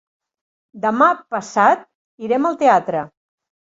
Demà passat irem al teatre.